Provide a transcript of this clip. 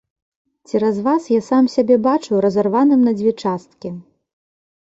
Цераз вас я сам сябе бачу разарваным на дзве часткі!